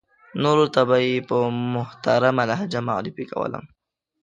نورو ته به یې په محترمه لهجه معرفي کولم.